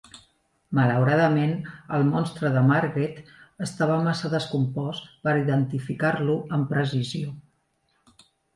Malauradament, el "monstre de Margate" estava massa descompost per identificar-lo amb precisió.